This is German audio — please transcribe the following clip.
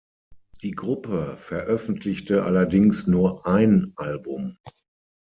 Die Gruppe veröffentlichte allerdings nur ein Album.